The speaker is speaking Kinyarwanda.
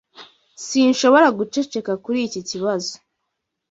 Sinshobora guceceka kuri iki kibazo.